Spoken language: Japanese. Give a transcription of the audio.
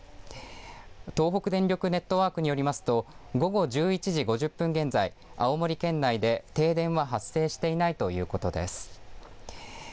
東北電力ネットワークによりますと午後１１時５０分現在青森県内で停電は発生していないということです。